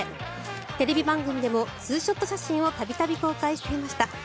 テレビ番組でもツーショット写真を度々公開していました。